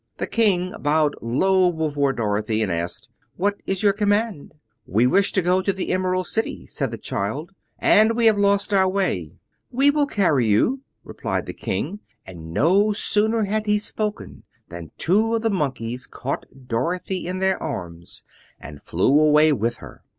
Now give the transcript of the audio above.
The King bowed low before Dorothy, and asked, "What is your command?" "We wish to go to the Emerald City," said the child, "and we have lost our way." "We will carry you," replied the King, and no sooner had he spoken than two of the Monkeys caught Dorothy in their arms and flew away with her.